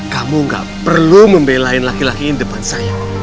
kamu gak perlu membelain laki laki depan saya